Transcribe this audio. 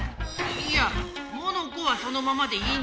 いやモノコはそのままでいいんだよ。